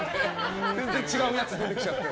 全然違うやつ出てきちゃって。